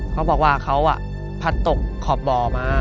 เขาบอกว่าเขาพัดตกขอบบ่อมา